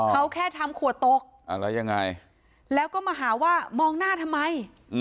เขาแค่ทำขวดตกแล้วยังไงแล้วก็มาหาว่ามองหน้าทำไม